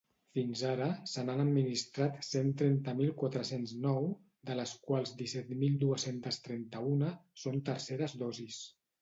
Fins ara, se n’han administrat cent trenta mil quatre-cents nou, de les quals disset mil dues-centes trenta-una són terceres dosis.